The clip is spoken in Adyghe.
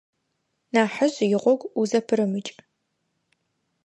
Нахьыжь игъогу узэпырымыкӏ.